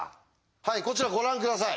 はいこちらご覧下さい。